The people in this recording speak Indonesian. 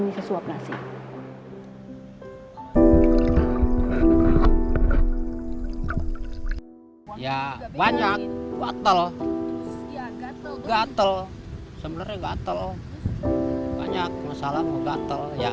bisa suap nasi ya banyak waktu gatal gatal sebenarnya gatal banyak masalah gatal ya